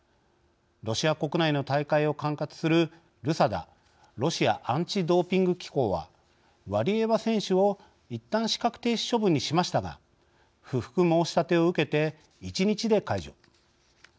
ロシア国内の大会を管轄するＲＵＳＡＤＡ＝ロシアアンチドーピング機構はワリエワ選手を、いったん資格停止処分にしましたが不服申し立てを受けて１日で解除。